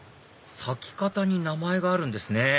咲き方に名前があるんですね